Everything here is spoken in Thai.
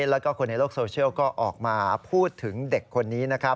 แล้วก็คนในโลกโซเชียลก็ออกมาพูดถึงเด็กคนนี้นะครับ